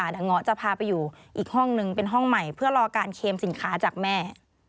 เดี๋ยวเงาะจะพาไปอยู่อีกห้องนึงเป็นห้องใหม่เพื่อรอการเคมสินค้าจากแม่